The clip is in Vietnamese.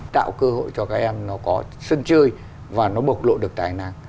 tạo cơ hội cho các em nó có sân chơi và nó bộc lộ được tài năng